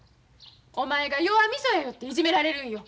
お前が弱みそやよっていじめられるんよ。